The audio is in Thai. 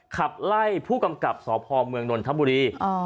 ขับไล่ผู้กำกับศาสนภองก์เมืองนนทัพบุรี